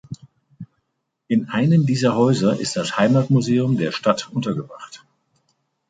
In einem dieser Häuser ist das Heimatmuseum der Stadt untergebracht.